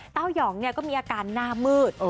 เต้ายองก็มีอาการหน้ามืด